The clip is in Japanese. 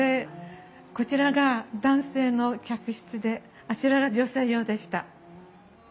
こちらが男性の客室であちらが女性用でした。